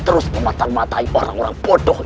terus mematal matai orang orang bodoh ini